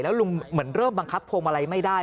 แล้วลุงเหมือนเริ่มบังคับพวงอะไรไม่ได้